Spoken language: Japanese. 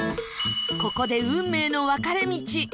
ここで運命の分かれ道